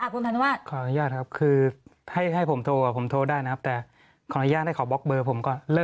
คุณพันวาสขออนุญาตครับคือให้ผมโทรผมโทรได้นะครับแต่ขออนุญาตให้เขาบล็อกเบอร์ผมก่อน